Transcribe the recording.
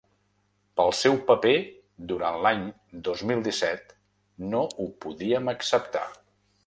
Pel seu paper durant l’any dos mil disset no ho podíem acceptar.